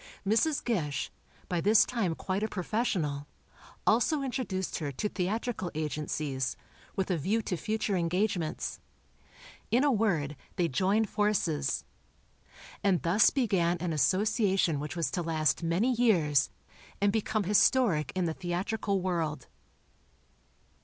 Mrs. Gish, by this time quite a professional, also introduced her to theatrical agencies, with a view to future engagements. In a word, they joined forces. And thus began an association which was to last many years, and become historic in the theatrical world.